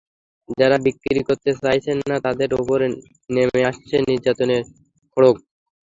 যাঁরা বিক্রি করতে চাইছেন না, তাঁদের ওপর নেমে আসছে নির্যাতনের খড়্গ।